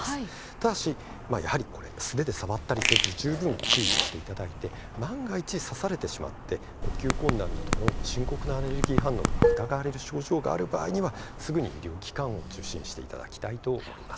ただし素手で触ったりせず十分注意をしていただいて万が一刺されてしまって呼吸困難などの深刻なアレルギー反応が疑われるような症状がある場合はすぐに医療機関を受診していただきたいと思います。